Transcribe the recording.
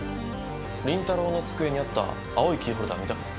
倫太郎の机にあった青いキーホルダー見たか？